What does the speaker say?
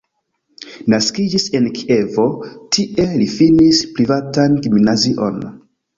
Naskiĝis en Kievo, tie li finis privatan gimnazion.